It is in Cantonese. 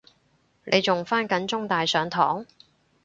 你仲返緊中大上堂？